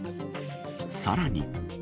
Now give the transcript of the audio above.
さらに。